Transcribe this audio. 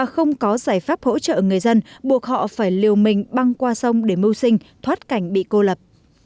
không có giải pháp hỗ trợ người dân buộc họ phải liều mình băng qua sông để mưu sinh thoát cảnh bị cô lập